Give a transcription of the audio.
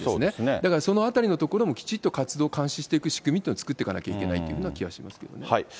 だからそのあたりのところもきちっと活動を監視していく仕組みというのを作っていかなきゃいけないという気はしますけどね。